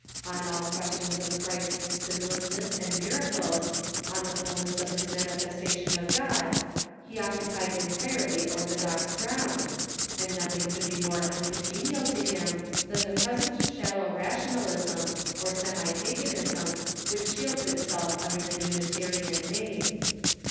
On all questions of Christ's sinlessness and miracles, on the fulness of his mani festation of God, he occupied entirely orthodox ground, and nothino could be more uncongenial to him than the present shallow rationalism or semi paganism which shields itself un der the Unitarian name.